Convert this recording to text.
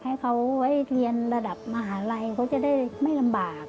ให้เขาไว้เรียนระดับมหาลัยเขาจะได้ไม่ลำบาก